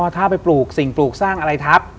ถ้าไปปลูกสิ่งปลูกสร้างอะไรทับ